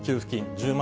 １０万